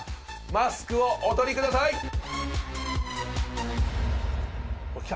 マスクをお取りください！きた！